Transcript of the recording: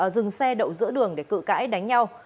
dừng xe đậu giữa đường để cự cãi đánh nhau